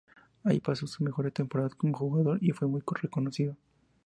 Allí pasó sus mejores temporadas como jugador y fue muy reconocido.